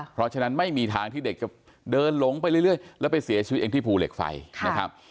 เพราะฉะนั้นไม่มีทางที่เด็กจะเดินหลงไปเรื่อยแล้วไปเสียชีวิตเองที่ภูเหล็กไฟนะครับ